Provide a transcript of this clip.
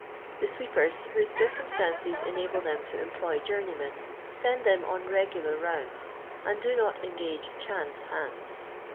The 8wee|»ers whose circumstances enable them to em ploy jimrneymen !«end them on regular roimdi, and do not engage "chance" hands.